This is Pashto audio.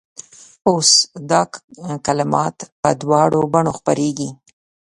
اوس دا کلمات په دواړو بڼو خپرېږي.